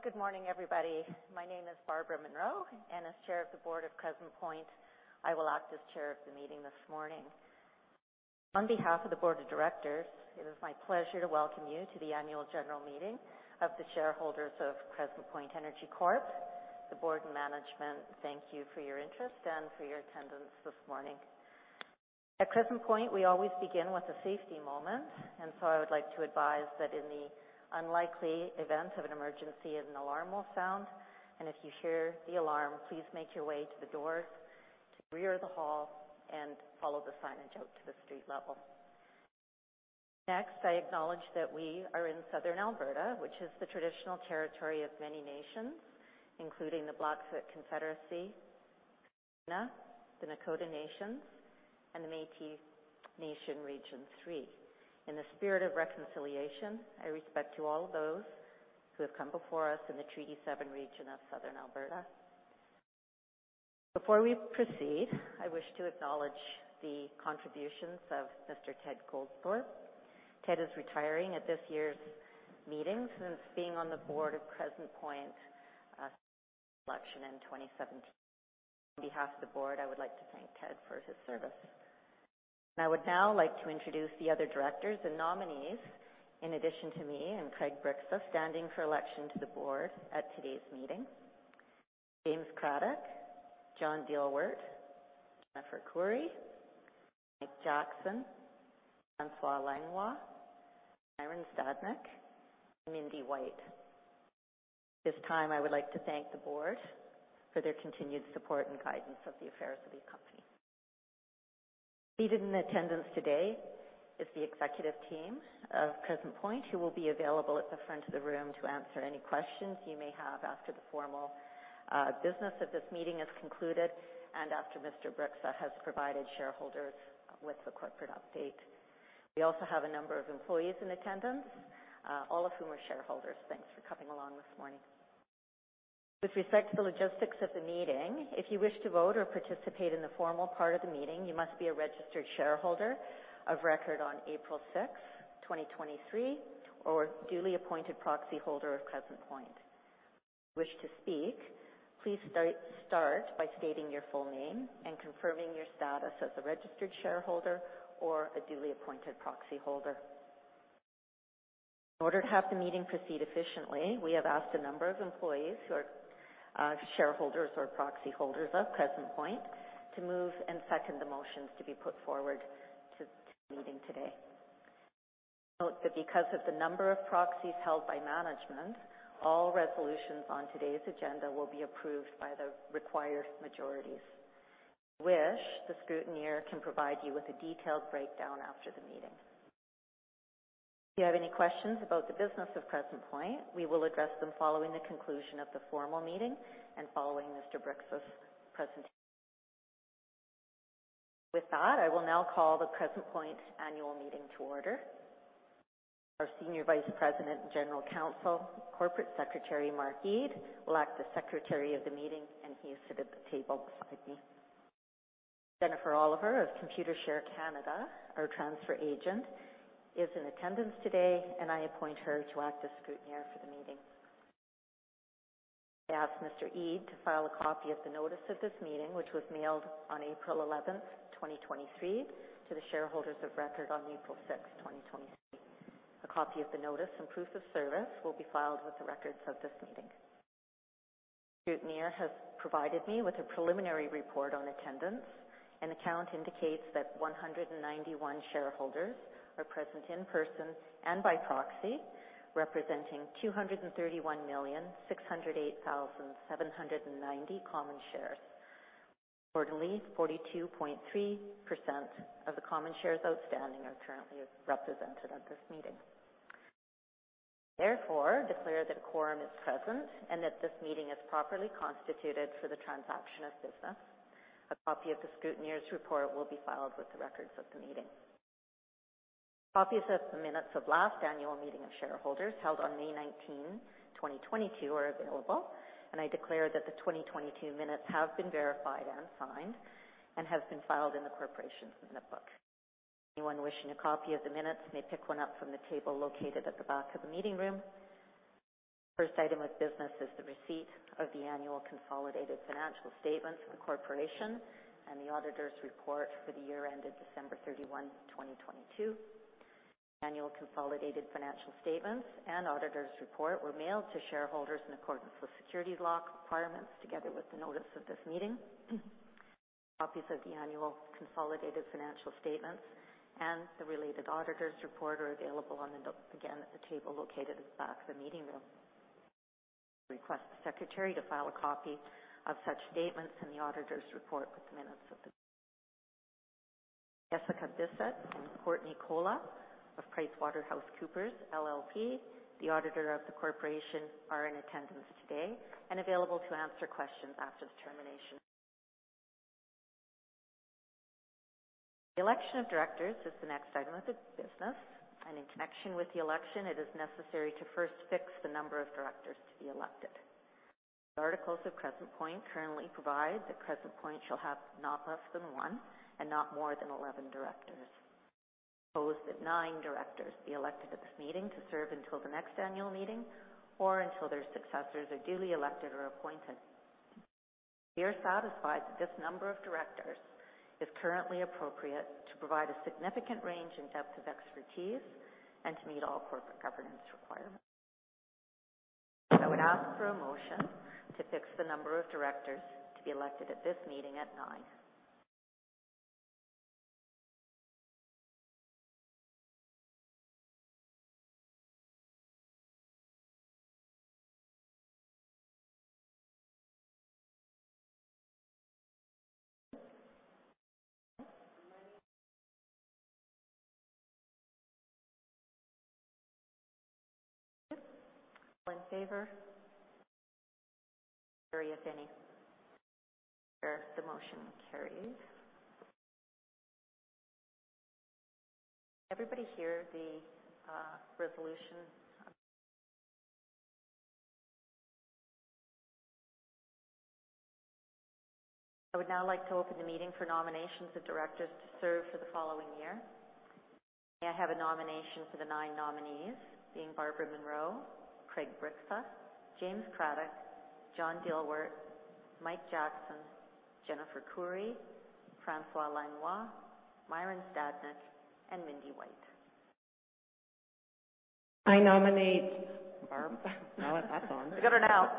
Well, good morning, everybody. My name is Barbara Munroe, as Chair of the Board of Crescent Point, I will act as Chair of the meeting this morning. On behalf of the Board of Directors, it is my pleasure to welcome you to the annual general meeting of the shareholders of Crescent Point Energy Corp. The Board and management thank you for your interest and for your attendance this morning. At Crescent Point, we always begin with a safety moment. I would like to advise that in the unlikely event of an emergency, an alarm will sound. If you hear the alarm, please make your way to the doors to the rear of the hall and follow the signage out to the street level. Next, I acknowledge that we are in Southern Alberta, which is the traditional territory of many nations, including the Blackfoot Confederacy, the Kainai, the Nakoda Nations, and the Métis Nation, Region Three. In the spirit of reconciliation, I respect you all, those who have come before us in the Treaty Seven region of Southern Alberta. Before we proceed, I wish to acknowledge the contributions of Mr. Ted Goldthorpe. Ted is retiring at this year's meeting since being on the board of Crescent Point, election in 2017. On behalf of the board, I would like to thank Ted for his service. I would now like to introduce the other directors and nominees. In addition to me and Craig Bryksa, standing for election to the board at today's meeting, James Craddock, John Dielwart, Jennifer Koury, Mike Jackson, François Langlois, Myron Stadnyk, and Mindy Wight. At this time, I would like to thank the board for their continued support and guidance of the affairs of the company. Seated in attendance today is the executive team of Crescent Point, who will be available at the front of the room to answer any questions you may have after the formal business of this meeting is concluded and after Mr. Bryksa has provided shareholders with the corporate update. We also have a number of employees in attendance, all of whom are shareholders. Thanks for coming along this morning. With respect to the logistics of the meeting, if you wish to vote or participate in the formal part of the meeting, you must be a registered shareholder of record on April 6, 2023, or duly appointed proxy holder of Crescent Point. If you wish to speak, please start by stating your full name and confirming your status as a registered shareholder or a duly appointed proxy holder. In order to have the meeting proceed efficiently, we have asked a number of employees who are shareholders or proxy holders of Crescent Point to move and second the motions to be put forward to the meeting today. Note that because of the number of proxies held by management, all resolutions on today's agenda will be approved by the required majorities. If you wish, the scrutineer can provide you with a detailed breakdown after the meeting. If you have any questions about the business of Crescent Point, we will address them following the conclusion of the formal meeting and following Mr. Bryksa's presentation. With that, I will now call the Crescent Point annual meeting to order. Our Senior Vice President and General Counsel, Corporate Secretary, Mark Eade, will act as Secretary of the meeting, and he is seated at the table beside me. Jennifer Oliver of Computershare Canada, our transfer agent, is in attendance today, and I appoint her to act as Scrutineer for the meeting. I ask Mr. Eade to file a copy of the notice of this meeting, which was mailed on April 11, 2023, to the shareholders of record on April 6, 2023. A copy of the notice and proof of service will be filed with the records of this meeting. The Scrutineer has provided me with a preliminary report on attendance, and the count indicates that 191 shareholders are present in person and by proxy, representing 231,608,790 common shares. 42.3% of the common shares outstanding are currently represented at this meeting. I declare that a quorum is present and that this meeting is properly constituted for the transaction of business. A copy of the scrutineer's report will be filed with the records of the meeting. Copies of the minutes of last annual meeting of shareholders held on May 19, 2022 are available. I declare that the 2022 minutes have been verified and signed and have been filed in the corporation's minute book. Anyone wishing a copy of the minutes may pick one up from the table located at the back of the meeting room. First item of business is the receipt of the annual consolidated financial statements of the corporation and the auditor's report for the year ended December 31, 2022. Annual consolidated financial statements and auditor's report were mailed to shareholders in accordance with securities law requirements, together with the notice of this meeting. Copies of the annual consolidated financial statements and the related auditor's report are available again, at the table located at the back of the meeting room. I request the Secretary to file a copy of such statements and the auditor's report with the minutes of the. Jessica Bisset and Courtney Kolla of PricewaterhouseCoopers LLP, the auditor of the corporation, are in attendance today and available to answer questions after the termination. The election of directors is the next item of the business. In connection with the election, it is necessary to first fix the number of directors to be elected. The articles of Crescent Point currently provide that Crescent Point shall have not less than one and not more than 11 directors. Proposed that nine directors be elected at this meeting to serve until the next annual meeting or until their successors are duly elected or appointed. We are satisfied that this number of directors is currently appropriate to provide a significant range and depth of expertise and to meet all corporate governance requirements. I would ask for a motion to fix the number of directors to be elected at this meeting at nine. All in favor? Sorry, if any. The motion carries. Everybody hear the resolution? I would now like to open the meeting for nominations of directors to serve for the following year. May I have a nomination for the nine nominees, being Barbara Munroe, Craig Bryksa, James Craddock, John Dielwart, Mike Jackson, Jennifer Koury, François Langlois, Myron Stadnyk, and Mindy Wight. I nominate Barb. Now that's on. We got her now.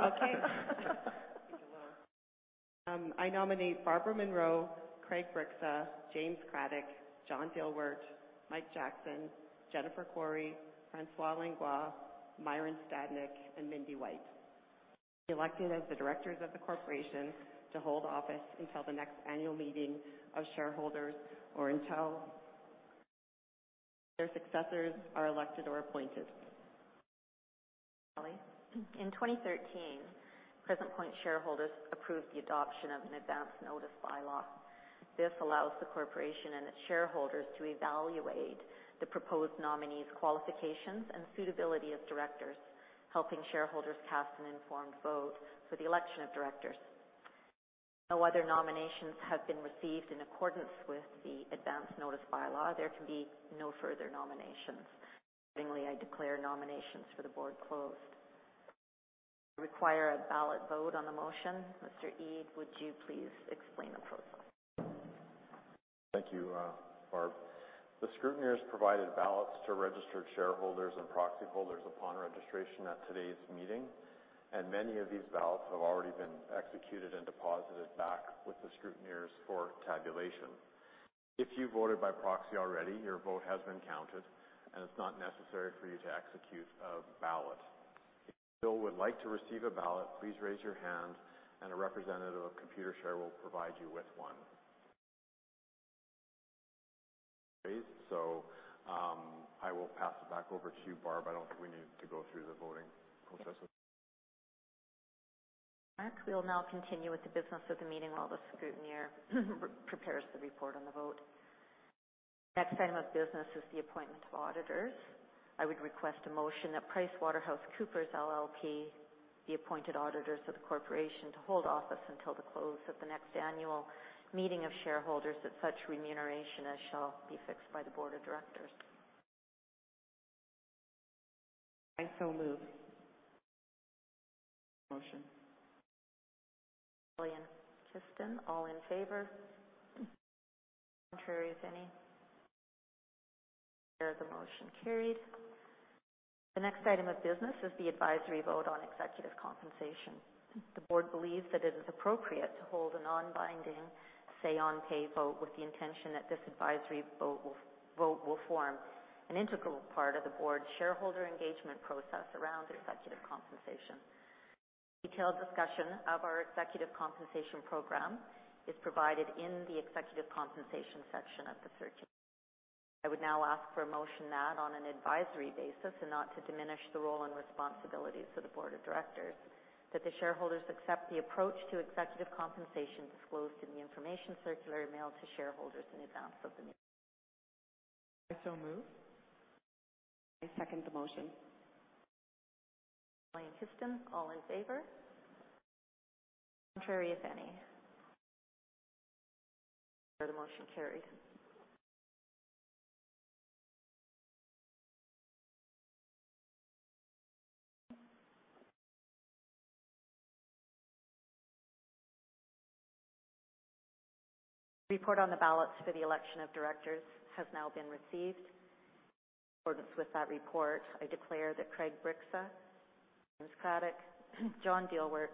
I nominate Barbara Munroe, Craig Bryksa, James Craddock, John Dielwart, Mike Jackson, Jennifer Koury, François Langlois, Myron Stadnyk, and Mindy Wight to be elected as the directors of the corporation to hold office until the next annual meeting of shareholders or until their successors are elected or appointed. In 2013, Crescent Point shareholders approved the adoption of an advance notice bylaw. This allows the corporation and its shareholders to evaluate the proposed nominees' qualifications and suitability as directors, helping shareholders cast an informed vote for the election of directors. No other nominations have been received in accordance with the advance notice bylaw, there can be no further nominations. I declare nominations for the board closed. Require a ballot vote on the motion. Mr. Eade, would you please explain the process. Thank you, Barb. The scrutineers provided ballots to registered shareholders and proxy holders upon registration at today's meeting, and many of these ballots have already been executed and deposited back with the scrutineers for tabulation. If you voted by proxy already, your vote has been counted, and it's not necessary for you to execute a ballot. If you still would like to receive a ballot, please raise your hand and a representative of Computershare will provide you with one. I will pass it back over to you, Barb. I don't think we need to go through the voting process. All right. We'll now continue with the business of the meeting while the scrutineer prepares the report on the vote. Next item of business is the appointment of auditors. I would request a motion that PricewaterhouseCoopers LLP, be appointed auditors of the corporation to hold office until the close of the next annual meeting of shareholders at such remuneration as shall be fixed by the board of directors. I so move. Motion. All in favor? Contrary, if any? Hear the motion carried. The next item of business is the advisory vote on executive compensation. The board believes that it is appropriate to hold a non-binding say-on-pay vote with the intention that this advisory vote will form an integral part of the board's shareholder engagement process around executive compensation. Detailed discussion of our executive compensation program is provided in the executive compensation section of the circular. I would now ask for a motion that on an advisory basis and not to diminish the role and responsibilities of the board of directors, that the shareholders accept the approach to executive compensation disclosed in the information circular mailed to shareholders in advance of the meeting. I so move. I second the motion. All in favor? Contrary, if any? Hear the motion carried. The report on the ballots for the election of directors has now been received. In accordance with that report, I declare that Craig Bryksa, James Craddock, John Dielwart,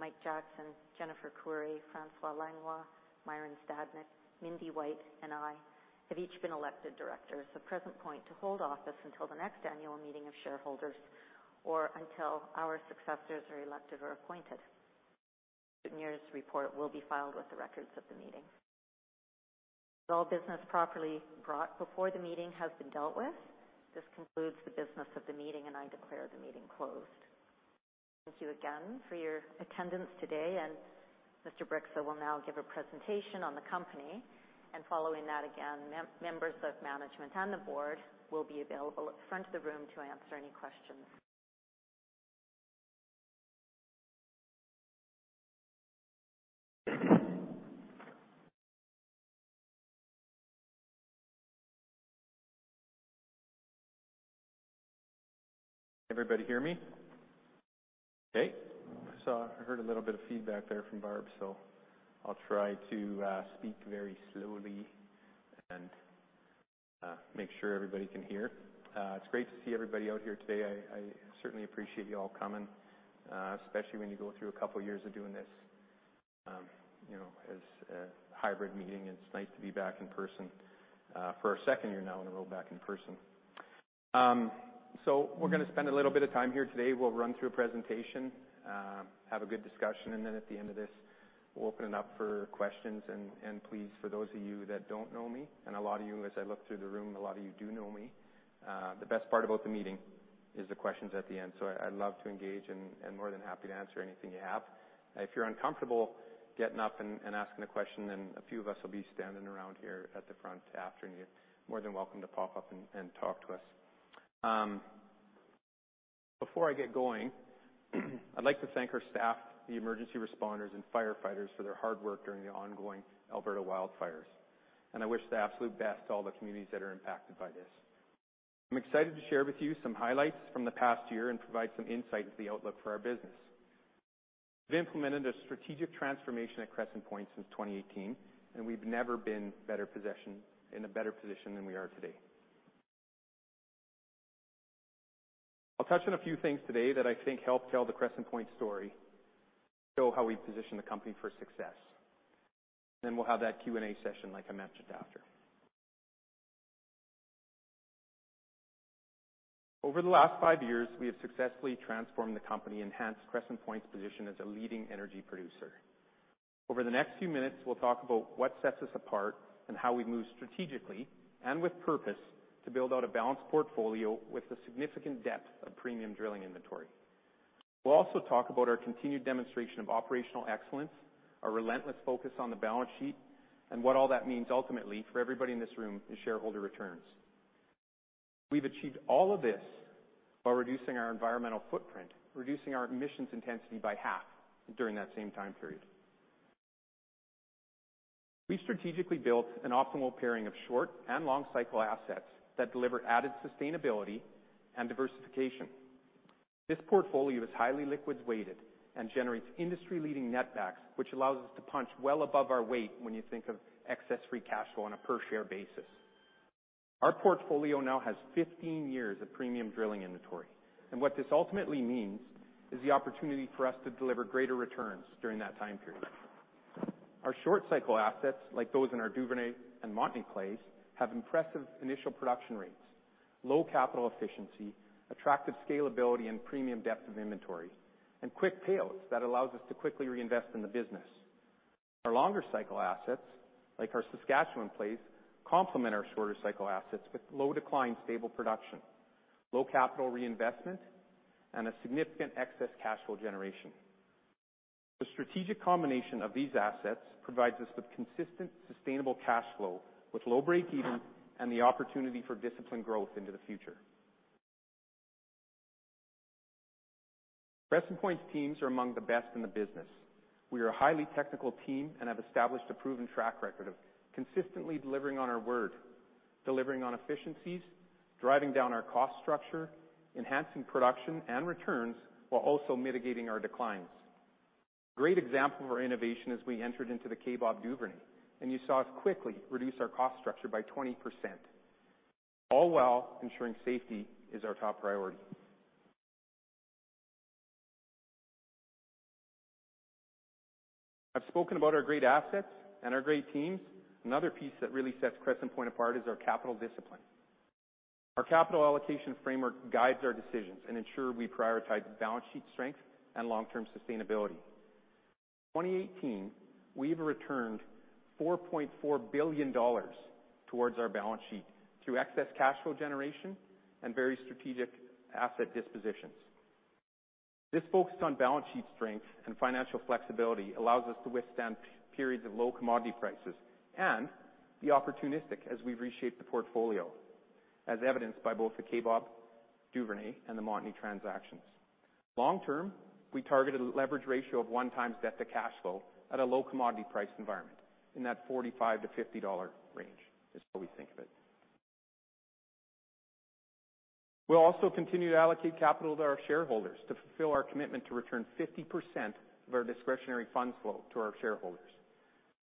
Mike Jackson, Jennifer Koury, François Langlois, Myron Stadnyk, Mindy Wight, and I have each been elected directors of Crescent Point to hold office until the next annual meeting of shareholders or until our successors are elected or appointed. Scrutineer's report will be filed with the records of the meeting. As all business properly brought before the meeting has been dealt with, this concludes the business of the meeting, and I declare the meeting closed. Thank you again for your attendance today. Mr. Bryksa will now give a presentation on the company, and following that, again, members of management and the board will be available at the front of the room to answer any questions. Everybody hear me? Okay, so I heard a little bit of feedback there from Barb, so I'll try to speak very slowly and make sure everybody can hear. It's great to see everybody out here today. I certainly appreciate you all coming, especially when you go through a couple years of doing this, you know, as a hybrid meeting. It's nice to be back in person, for our second year now in a row back in person. We're gonna spend a little bit of time here today. We'll run through a presentation, have a good discussion, and then at the end of this, we'll open it up for questions. Please, for those of you that don't know me, and a lot of you, as I look through the room, a lot of you do know me, the best part about the meeting is the questions at the end. I'd love to engage and more than happy to answer anything you have. If you're uncomfortable getting up and asking a question, then a few of us will be standing around here at the front after, and you're more than welcome to pop up and talk to us. Before I get going, I'd like to thank our staff, the emergency responders and firefighters for their hard work during the ongoing Alberta wildfires, and I wish the absolute best to all the communities that are impacted by this. I'm excited to share with you some highlights from the past year and provide some insight into the outlook for our business. We've implemented a strategic transformation at Crescent Point since 2018, and we've never been in a better position than we are today. I'll touch on a few things today that I think help tell the Crescent Point story, show how we position the company for success. We'll have that Q&A session, like I mentioned, after. Over the last five years, we have successfully transformed the company, enhanced Crescent Point's position as a leading energy producer. Over the next few minutes, we'll talk about what sets us apart and how we move strategically and with purpose to build out a balanced portfolio with a significant depth of premium drilling inventory. We'll also talk about our continued demonstration of operational excellence, our relentless focus on the balance sheet, and what all that means ultimately for everybody in this room is shareholder returns. We've achieved all of this while reducing our environmental footprint, reducing our emissions intensity by half during that same time period. We've strategically built an optimal pairing of short and long cycle assets that deliver added sustainability and diversification. This portfolio is highly liquids weighted and generates industry-leading netbacks, which allows us to punch well above our weight when you think of excess free cash flow on a per share basis. Our portfolio now has 15 years of premium drilling inventory, and what this ultimately means is the opportunity for us to deliver greater returns during that time period. Our short cycle assets, like those in our Duvernay and Montney plays, have impressive initial production rates, low capital efficiency, attractive scalability and premium depth of inventory, and quick payouts that allows us to quickly reinvest in the business. Our longer cycle assets, like our Saskatchewan plays, complement our shorter cycle assets with low decline, stable production, low capital reinvestment, and a significant excess cash flow generation. The strategic combination of these assets provides us with consistent, sustainable cash flow with low break-even and the opportunity for disciplined growth into the future. Crescent Point's teams are among the best in the business. We are a highly technical team and have established a proven track record of consistently delivering on our word, delivering on efficiencies, driving down our cost structure, enhancing production and returns, while also mitigating our declines. Great example of our innovation as we entered into the Kaybob Duvernay, you saw us quickly reduce our cost structure by 20%, all while ensuring safety is our top priority. I've spoken about our great assets and our great teams. Another piece that really sets Crescent Point apart is our capital discipline. Our capital allocation framework guides our decisions and ensure we prioritize balance sheet strength and long-term sustainability. In 2018, we've returned 4.4 billion dollars towards our balance sheet through excess cash flow generation and very strategic asset dispositions. This focus on balance sheet strength and financial flexibility allows us to withstand periods of low commodity prices and be opportunistic as we reshape the portfolio, as evidenced by both the Kaybob Duvernay and the Montney transactions. Long-term, we target a leverage ratio of 1x debt to cash flow at a low commodity price environment in that 45-50 dollar range is how we think of it. We'll also continue to allocate capital to our shareholders to fulfill our commitment to return 50% of our discretionary funds flow to our shareholders.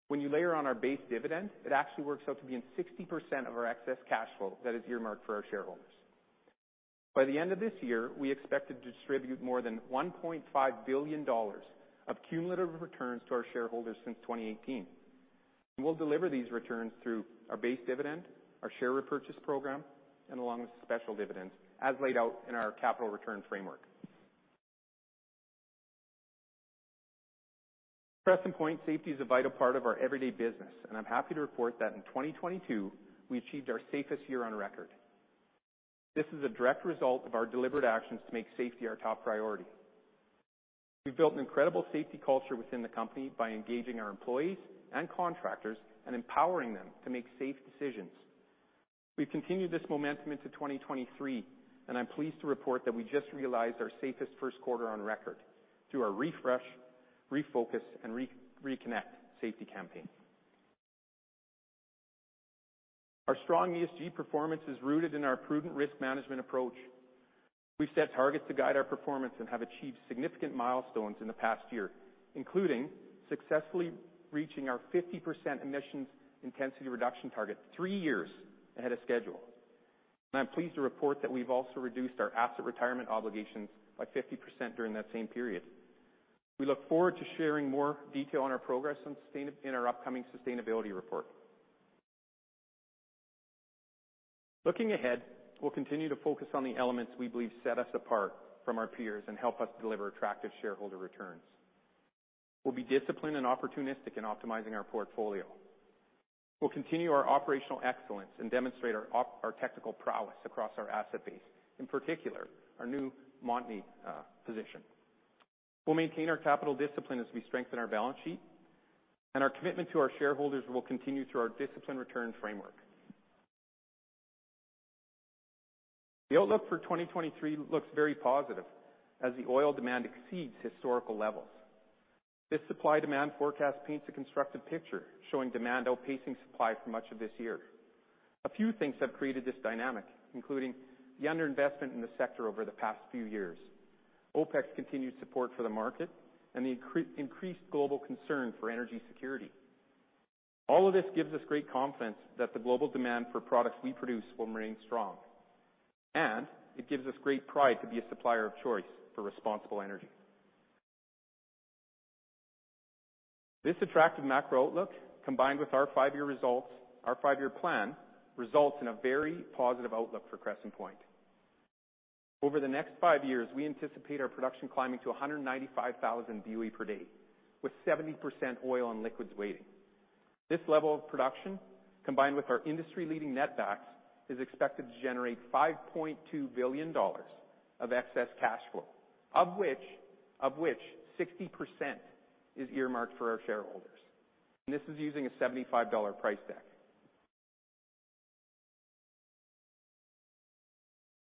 When you layer on our base dividend, it actually works out to be in 60% of our excess cash flow that is earmarked for our shareholders. By the end of this year, we expect to distribute more than $1.5 billion of cumulative returns to our shareholders since 2018. We'll deliver these returns through our base dividend, our share repurchase program, and along with special dividends as laid out in our capital return framework. At Crescent Point, safety is a vital part of our everyday business, and I'm happy to report that in 2022 we achieved our safest year on record. This is a direct result of our deliberate actions to make safety our top priority. We've built an incredible safety culture within the company by engaging our employees and contractors and empowering them to make safe decisions. We've continued this momentum into 2023, and I'm pleased to report that we just realized our safest first quarter on record through our refresh, refocus, and reconnect safety campaign. Our strong ESG performance is rooted in our prudent risk management approach. We've set targets to guide our performance and have achieved significant milestones in the past year, including successfully reaching our 50% emissions intensity reduction target three years ahead of schedule. I'm pleased to report that we've also reduced our asset retirement obligations by 50% during that same period. We look forward to sharing more detail on our progress in our upcoming sustainability report. Looking ahead, we'll continue to focus on the elements we believe set us apart from our peers and help us deliver attractive shareholder returns. We'll be disciplined and opportunistic in optimizing our portfolio. We'll continue our operational excellence and demonstrate our technical prowess across our asset base, in particular, our new Montney position. We'll maintain our capital discipline as we strengthen our balance sheet, and our commitment to our shareholders will continue through our disciplined return framework. The outlook for 2023 looks very positive as the oil demand exceeds historical levels. This supply-demand forecast paints a constructive picture, showing demand outpacing supply for much of this year. A few things have created this dynamic, including the underinvestment in the sector over the past few years, OPEC's continued support for the market, and the increased global concern for energy security. All of this gives us great confidence that the global demand for products we produce will remain strong, and it gives us great pride to be a supplier of choice for responsible energy. This attractive macro outlook, combined with our five year plan, results in a very positive outlook for Crescent Point. Over the next five years, we anticipate our production climbing to 195,000 BOE per day, with 70% oil and liquids weighting. This level of production, combined with our industry-leading netbacks, is expected to generate 5.2 billion dollars of excess cash flow, of which 60% is earmarked for our shareholders. This is using a 75 dollar price deck.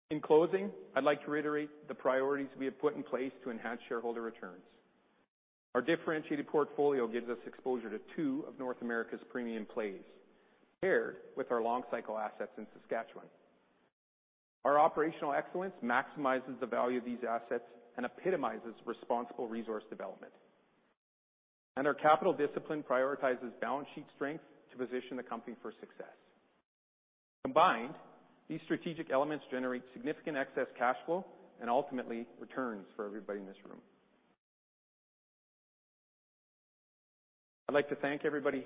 In closing, I'd like to reiterate the priorities we have put in place to enhance shareholder returns. Our differentiated portfolio gives us exposure to two of North America's premium plays, paired with our long-cycle assets in Saskatchewan. Our operational excellence maximizes the value of these assets and epitomizes responsible resource development. Our capital discipline prioritizes balance sheet strength to position the company for success. Combined, these strategic elements generate significant excess cash flow and ultimately returns for everybody in this room. I'd like to thank everybody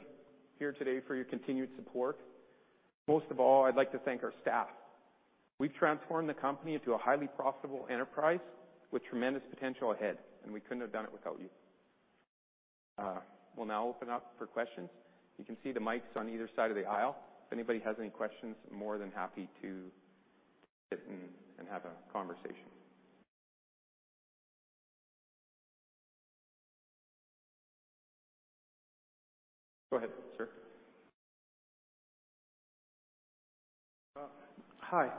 here today for your continued support. Most of all, I'd like to thank our staff. We've transformed the company into a highly profitable enterprise with tremendous potential ahead, and we couldn't have done it without you. We'll now open up for questions. You can see the mics on either side of the aisle. If anybody has any questions, more than happy to sit and have a conversation. Go ahead, sir. Hi.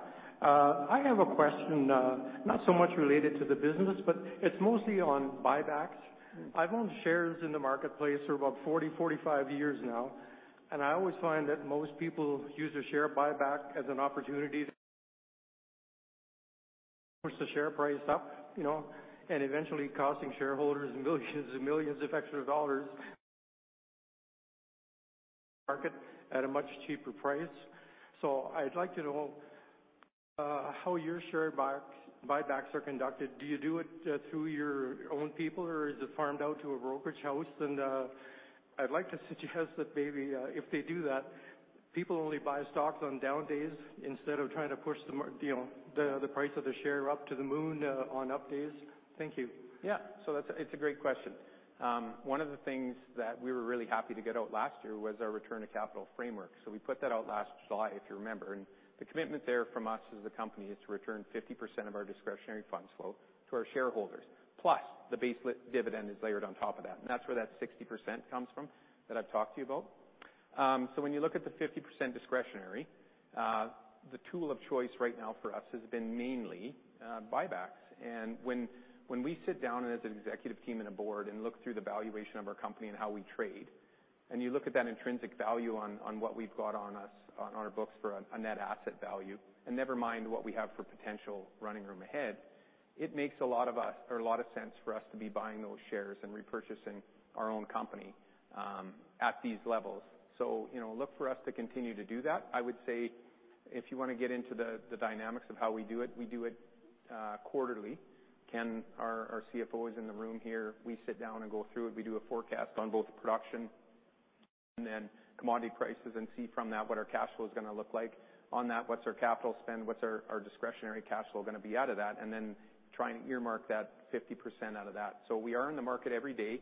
I have a question, not so much related to the business, but it's mostly on buybacks. I've owned shares in the marketplace for about 40, 45 years now, and I always find that most people use a share buyback as an opportunity push the share price up, you know, and eventually costing shareholders millions and millions of extra dollars market at a much cheaper price. I'd like to know how your share buybacks are conducted. Do you do it through your own people, or is it farmed out to a brokerage house? I'd like to suggest that maybe if they do that, people only buy stocks on down days instead of trying to push you know, the price of the share up to the moon on up days. Thank you. Yeah. It's a great question. One of the things that we were really happy to get out last year was our return to capital framework. We put that out last July, if you remember. The commitment there from us as a company is to return 50% of our discretionary funds flow to our shareholders, plus the base dividend is layered on top of that. That's where that 60% comes from that I've talked to you about. When you look at the 50% discretionary, the tool of choice right now for us has been mainly buybacks. When we sit down as an executive team and a Board and look through the valuation of our company and how we trade, and you look at that intrinsic value on what we've got on our books for a net asset value, and never mind what we have for potential running room ahead, it makes a lot of sense for us to be buying those shares and repurchasing our own company at these levels. You know, look for us to continue to do that. I would say if you want to get into the dynamics of how we do it, we do it quarterly. Ken, our CFO, is in the room here. We sit down and go through it. We do a forecast on both production and commodity prices and see from that what our cash flow is gonna look like. On that, what's our capital spend, what's our discretionary cash flow gonna be out of that, and then try and earmark that 50% out of that. We are in the market every day.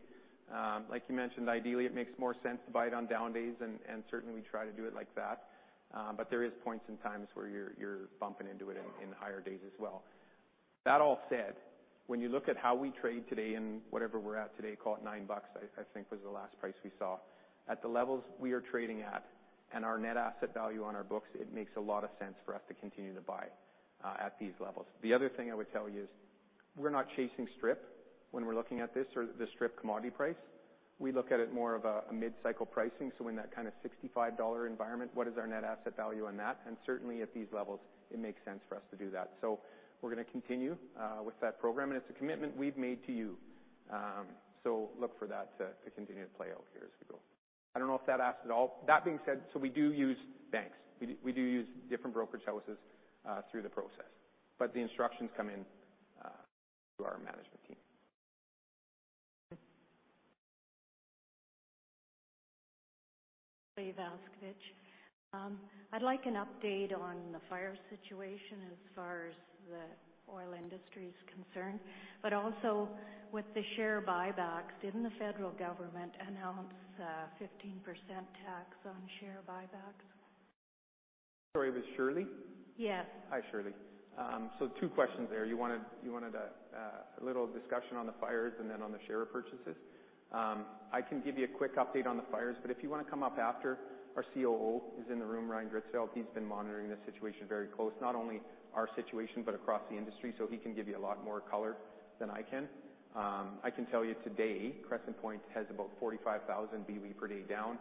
Like you mentioned, ideally, it makes more sense to buy it on down days, and certainly we try to do it like that. There is points and times where you're bumping into it in higher days as well. That all said, when you look at how we trade today and whatever we're at today, call it 9 bucks, I think was the last price we saw. At the levels we are trading at and our net asset value on our books, it makes a lot of sense for us to continue to buy at these levels. The other thing I would tell you is we're not chasing strip when we're looking at this or the strip commodity price. We look at it more of a mid-cycle pricing, so in that kind of 65 dollar environment, what is our net asset value on that? Certainly, at these levels, it makes sense for us to do that. We're gonna continue with that program, and it's a commitment we've made to you. Look for that to continue to play out here as we go. I don't know if that answered it all. That being said, we do use banks. We do use different brokerage houses through the process, but the instructions come in through our management team. Shirley Vaskevitch. I'd like an update on the fire situation as far as the oil industry is concerned, also with the share buybacks. Didn't the federal government announce a 15% tax on share buybacks? Sorry. Was it Shirley? Yes. Hi, Shirley. So two questions there. You wanted a little discussion on the fires and then on the share purchases. I can give you a quick update on the fires, but if you wanna come up after, our COO is in the room, Ryan Gritzfeldt. He's been monitoring the situation very close, not only our situation, but across the industry, so he can give you a lot more color than I can. I can tell you today, Crescent Point has about 45,000 BOE per day down.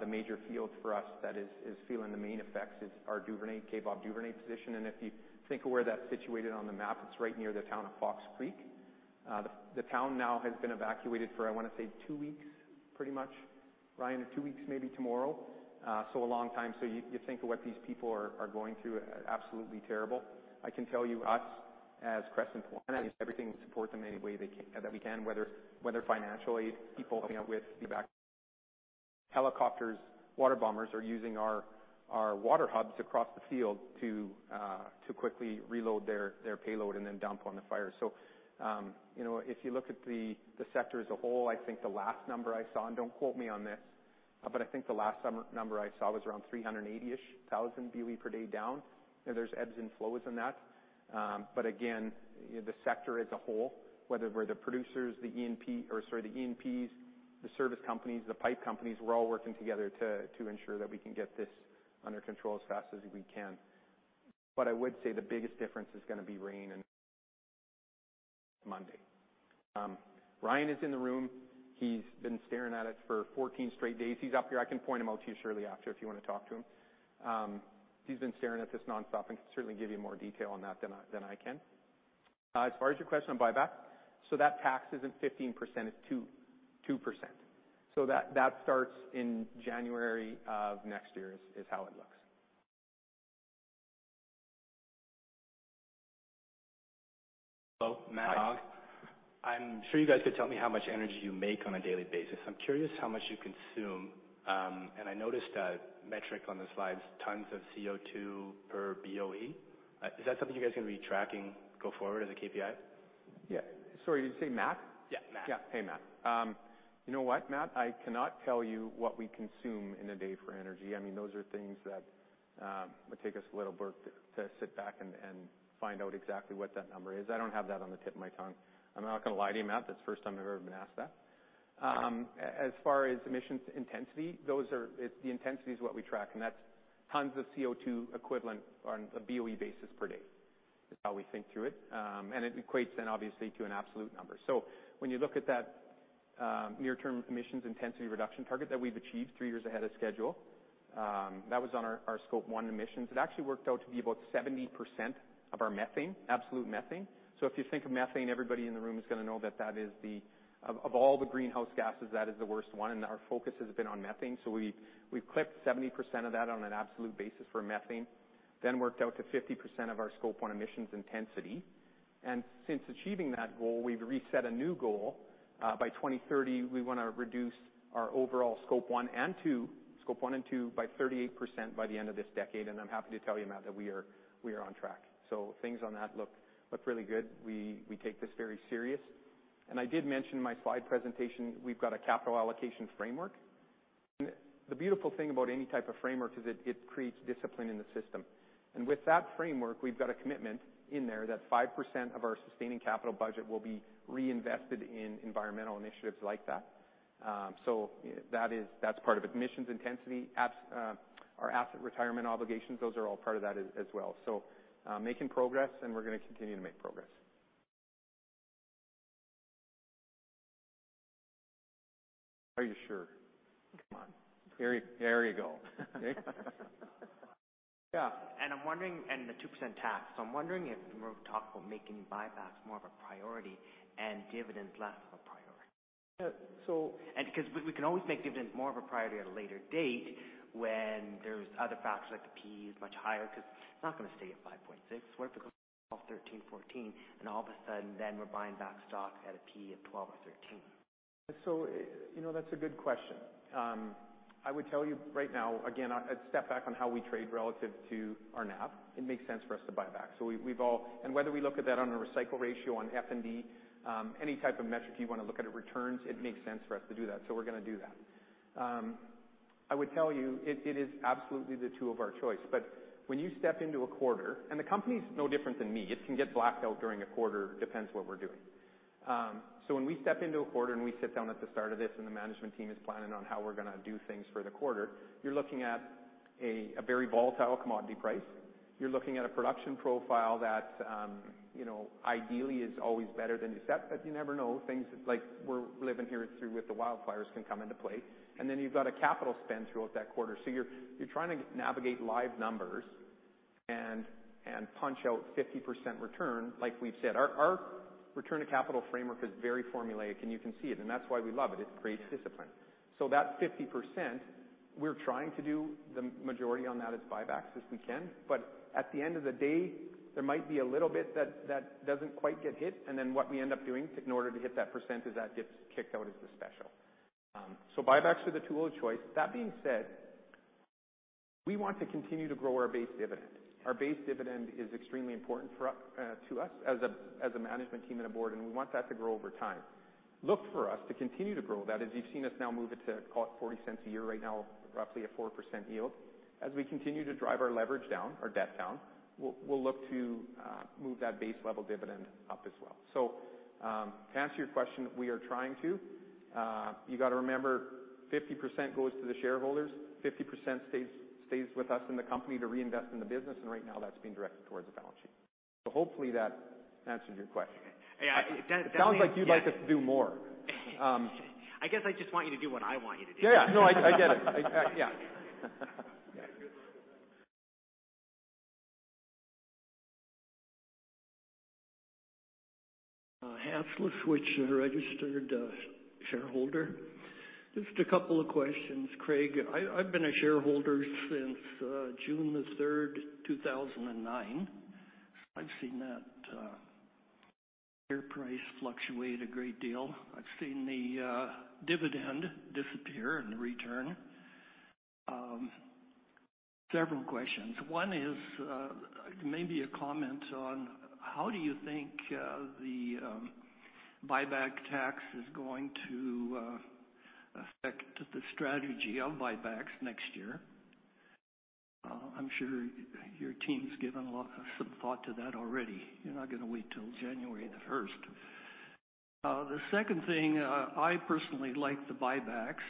The major field for us that is feeling the main effects is our Duvernay, Kaybob Duvernay position. If you think of where that's situated on the map, it's right near the town of Fox Creek. The town now has been evacuated for, I wanna say, two weeks, pretty much. Ryan, is two weeks maybe tomorrow? So a long time. So you think of what these people are going through, absolutely terrible. I can tell you, us, as Crescent Point, I mean, everything to support them any way they can, that we can, whether financially, people helping out with evacuating. Helicopters, water bombers are using our water hubs across the field to quickly reload their payload and then dump on the fire. You know, if you look at the sector as a whole, I think the last number I saw, and don't quote me on this, but I think the last number I saw was around 380-ish thousand BOE per day down. You know, there's ebbs and flows in that. Again, the sector as a whole, whether we're the producers, the E&P, or sorry, the E&Ps, the service companies, the pipe companies, we're all working together to ensure that we can get this under control as fast as we can. I would say the biggest difference is gonna be rain and Monday. Ryan is in the room. He's been staring at it for 14 straight days. He's up here. I can point him out to you, Shirley, after if you wanna talk to him. He's been staring at this nonstop and can certainly give you more detail on that than I can. As far as your question on buyback, that tax isn't 15%, it's 2%. That starts in January of next year is how it looks. Hello. Hi. Matt Hogg. I'm sure you guys could tell me how much energy you make on a daily basis. I'm curious how much you consume. I noticed a metric on the slides, tons of CO2 per BOE. Is that something you guys are gonna be tracking go forward as a KPI? Yeah. Sorry, did you say Matt? Yeah, Matt. Hey, Matt. you know what, Matt? I cannot tell you what we consume in a day for energy. I mean, those are things that would take us a little work to sit back and find out exactly what that number is. I don't have that on the tip of my tongue. I'm not gonna lie to you, Matt. That's the first time I've ever been asked that. as far as emissions intensity, the intensity is what we track, and that's tons of CO2 equivalent on a BOE basis per day, is how we think through it. It equates then obviously to an absolute number. When you look at that, near-term emissions intensity reduction target that we've achieved three years ahead of schedule, that was on our Scope 1 emissions. It actually worked out to be about 70% of our methane, absolute methane. If you think of methane, everybody in the room is going to know that that is of all the greenhouse gases, that is the worst one, and our focus has been on methane. We've clipped 70% of that on an absolute basis for methane, worked out to 50% of our Scope 1 emissions intensity. Since achieving that goal, we've reset a new goal. By 2030, we wanna reduce our overall Scope 1 and 2 by 38% by the end of this decade, and I'm happy to tell you, Matt, that we are on track. Things on that look really good. We take this very serious. I did mention in my slide presentation, we've got a capital allocation framework. The beautiful thing about any type of framework is it creates discipline in the system. With that framework, we've got a commitment in there that 5% of our sustaining capital budget will be reinvested in environmental initiatives like that. That's part of it. Emissions intensity, apps, our asset retirement obligations, those are all part of that as well. Making progress, and we're gonna continue to make progress. Are you sure? Come on. There you go. Yeah. I'm wondering, and the 2% tax, I'm wondering if you wanna talk about making buybacks more of a priority and dividends less of a priority. Yeah. 'Cause we can always make dividends more of a priority at a later date when there's other factors like the P is much higher, 'cause it's not gonna stay at 5.6. What if it goes to 12, 13, 14, and all of a sudden then we're buying back stock at a P of 12 or 13? You know, that's a good question. I would tell you right now, again, a step back on how we trade relative to our NAV, it makes sense for us to buy back. We've all Whether we look at that on a recycle ratio, on F&D, any type of metric you wanna look at returns, it makes sense for us to do that, we're gonna do that. I would tell you it is absolutely the two of our choice. When you step into a quarter and the company is no different than me, it can get blacked out during a quarter. Depends what we're doing. When we step into a quarter and we sit down at the start of this and the management team is planning on how we're gonna do things for the quarter, you're looking at a very volatile commodity price. You're looking at a production profile that, you know, ideally is always better than you set, but you never know. Things like we're living here through with the wildfires can come into play, and then you've got a capital spend throughout that quarter. You're trying to navigate live numbers and punch out 50% return. Like we've said, our return to capital framework is very formulaic, and you can see it, and that's why we love it. It creates discipline. That 50% we're trying to do the majority on that is buybacks as we can. At the end of the day, there might be a little bit that doesn't quite get hit. What we end up doing in order to hit that percent is that gets kicked out as the special. Buybacks are the tool of choice. That being said, we want to continue to grow our base dividend. Our base dividend is extremely important for us, to us as a management team and a board, and we want that to grow over time. Look for us to continue to grow that as you've seen us now move it to call it 0.40 a year right now, roughly a 4% yield. As we continue to drive our leverage down, our debt down, we'll look to move that base level dividend up as well. To answer your question, we are trying to. You got to remember, 50% goes to the shareholders, 50% stays with us in the company to reinvest in the business. Right now that's being directed towards the balance sheet. Hopefully that answered your question. Yeah. It sounds like you'd like us to do more. I guess I just want you to do what I want you to do. Yeah, no, I get it. Yeah. Hans Switch, registered shareholder. Just a couple of questions. Craig, I've been a shareholder since June 3, 2009. I've seen that share price fluctuate a great deal. I've seen the dividend disappear and return. Several questions. One is, maybe a comment on how do you think the buyback tax is going to affect the strategy of buybacks next year? I'm sure your team's given a lot of some thought to that already. You're not gonna wait till January 1. The second thing, I personally like the buybacks.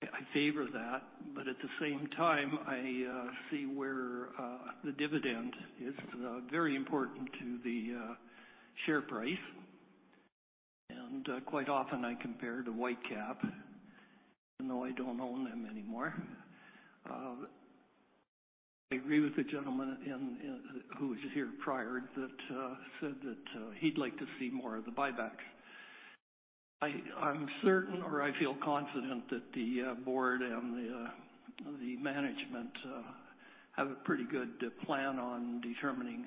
I favor that, but at the same time, I see where the dividend is very important to the share price. And, quite often I compare to Whitecap, even though I don't own them anymore. I agree with the gentleman who was here prior that said that he'd like to see more of the buybacks. I feel confident that the board and the management have a pretty good plan on determining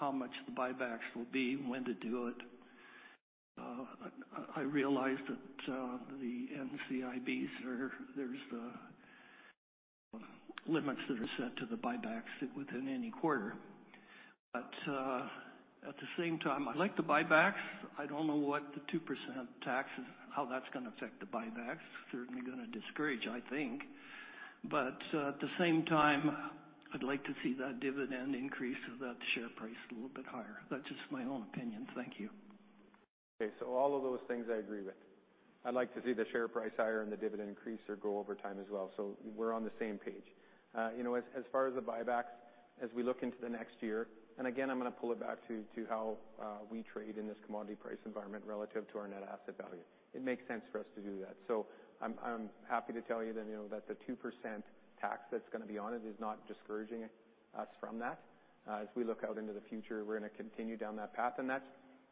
how much the buybacks will be and when to do it. I realize that there's the limits that are set to the buybacks within any quarter. At the same time, I like the buybacks. I don't know what the 2% tax is, how that's gonna affect the buybacks. Certainly gonna discourage, I think. At the same time, I'd like to see that dividend increase so that share price a little bit higher. That's just my own opinion. Thank you. Okay, all of those things I agree with. I'd like to see the share price higher and the dividend increase or go over time as well. We're on the same page. You know, as far as the buybacks, as we look into the next year, and again, I'm gonna pull it back to how we trade in this commodity price environment relative to our net asset value. It makes sense for us to do that. I'm happy to tell you that, you know, that the 2% tax that's gonna be on it is not discouraging us from that. As we look out into the future, we're gonna continue down that path.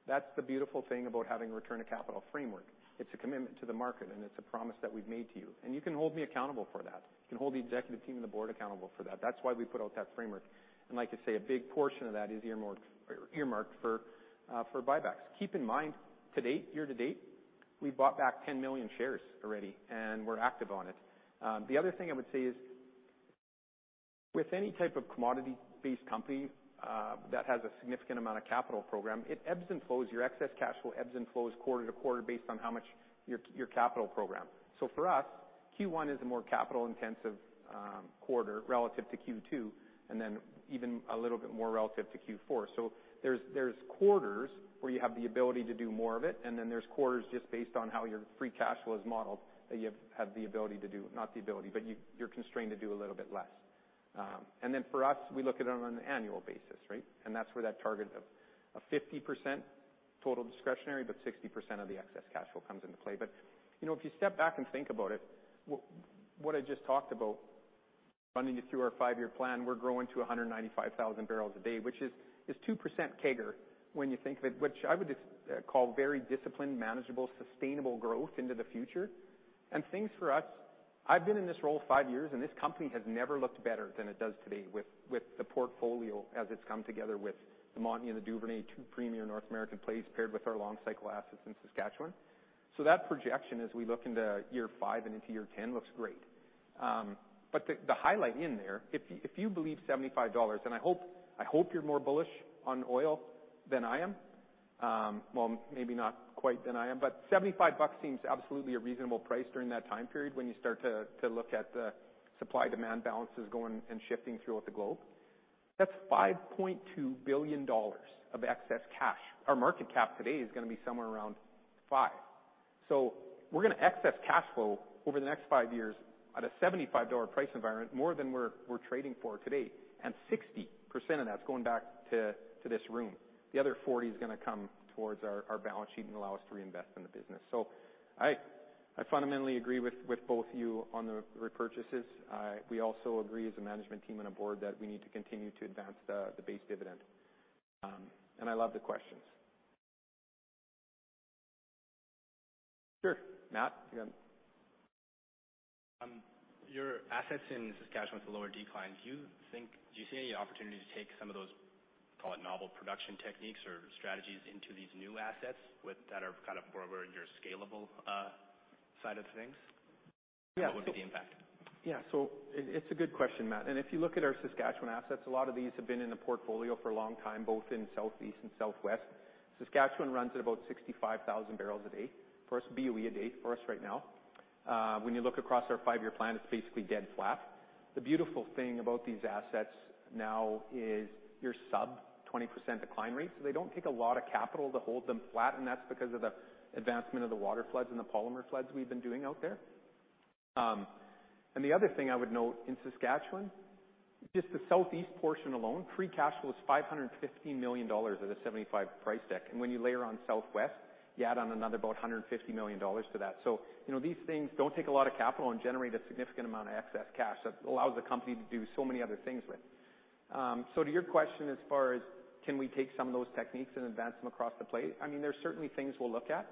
That's the beautiful thing about having a return to capital framework. It's a commitment to the market, and it's a promise that we've made to you, and you can hold me accountable for that. You can hold the executive team and the board accountable for that. That's why we put out that framework. Like I say, a big portion of that is earmarked for buybacks. Keep in mind, to date, year to date, we bought back 10 million shares already and we're active on it. The other thing I would say is with any type of commodity-based company that has a significant amount of capital program, it ebbs and flows. Your excess cash flow ebbs and flows quarter to quarter based on how much your capital program. For us, Q1 is a more capital intensive quarter relative to Q2 and then even a little bit more relative to Q4. There's quarters where you have the ability to do more of it, and then there's quarters just based on how your free cash flow is modeled, that you have the ability to do. Not the ability, but you're constrained to do a little bit less. For us, we look at it on an annual basis, right? That's where that target of a 50% total discretionary, but 60% of the excess cash flow comes into play. You know, if you step back and think about it, what I just talked about running it through our five year plan, we're growing to 195,000 barrels a day, which is 2% CAGR when you think that, which I would call very disciplined, manageable, sustainable growth into the future. things for us, I've been in this role five years, this company has never looked better than it does today with the portfolio as it's come together with the Montney and the Duvernay, two premier North American plays paired with our long cycle assets in Saskatchewan. That projection, as we look into year five and into year 10, looks great. the highlight in there, if you believe 75 dollars, and I hope, I hope you're more bullish on oil than I am. well, maybe not quite that I am, 75 bucks seems absolutely a reasonable price during that time period when you start to look at the supply demand balances going and shifting throughout the globe. That's 5.2 billion dollars of excess cash. Our market cap today is gonna be somewhere around 5 billion. We're gonna excess cash flow over the next five years at a 75 dollar price environment, more than we're trading for today. 60% of that's going back to this room. The other 40% is gonna come towards our balance sheet and allow us to reinvest in the business. I fundamentally agree with both you on the repurchases. We also agree as a management team and a Board that we need to continue to advance the base dividend. I love the questions. Sure. Matt, you got. Your assets in Saskatchewan with the lower decline, do you see any opportunity to take some of those, call it, novel production techniques or strategies into these new assets that are kind of more over in your scalable side of things? Yeah. What would be the impact? It's a good question, Matt. If you look at our Saskatchewan assets, a lot of these have been in the portfolio for a long time, both in southeast and southwest. Saskatchewan runs at about 65,000 barrels a day. For us, BOE a day for us right now. When you look across our five year plan, it's basically dead flat. The beautiful thing about these assets now is your sub 20% decline rates. They don't take a lot of capital to hold them flat, and that's because of the advancement of the waterfloods and the polymer floods we've been doing out there. The other thing I would note in Saskatchewan, just the southeast portion alone, free cash flow is 550 million dollars at a 75 price deck. When you layer on southwest, you add on another about 150 million dollars to that. You know, these things don't take a lot of capital and generate a significant amount of excess cash. That allows the company to do so many other things with. To your question as far as, can we take some of those techniques and advance them across the plate? I mean, there's certainly things we'll look at.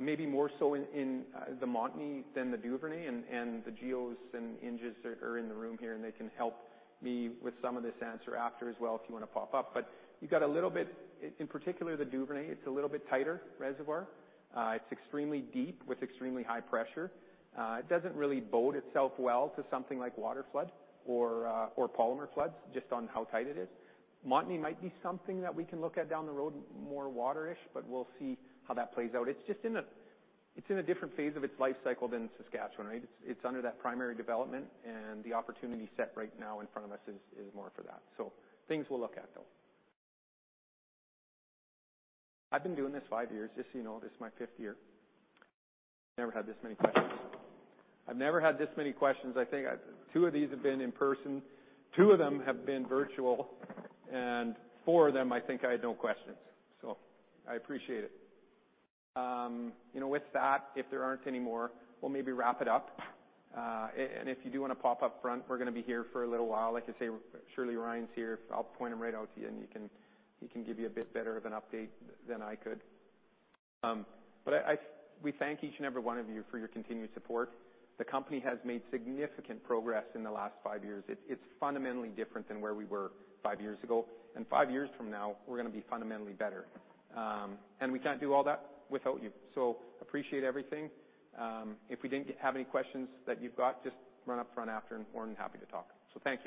Maybe more so in the Montney than the Duvernay, and the Geos and Enges are in the room here, and they can help me with some of this answer after as well, if you wanna pop up. In particular, the Duvernay, it's a little bit tighter reservoir. It's extremely deep with extremely high pressure. It doesn't really bode itself well to something like water flood or polymer floods just on how tight it is. Montney might be something that we can look at down the road, more water-ish, but we'll see how that plays out. It's just in a different phase of its life cycle than Saskatchewan, right? It's under that primary development, and the opportunity set right now in front of us is more for that. Things we'll look at, though. I've been doing this five years, just so you know. This is my fifth year. Never had this many questions. I've never had this many questions. Two of these have been in person, two of them have been virtual, and four of them, I think I had no questions. I appreciate it. You know, with that, if there aren't any more, we'll maybe wrap it up. If you do wanna pop up front, we're gonna be here for a little while. Like I say, Shirley Ryan's here. I'll point him right out to you, he can give you a bit better of an update than I could. I thank each and every one of you for your continued support. The company has made significant progress in the last five years. It's fundamentally different than where we were five years ago. Five years from now, we're gonna be fundamentally better. We can't do all that without you. Appreciate everything. If we didn't have any questions that you've got, just run up front after, we're happy to talk. Thank you.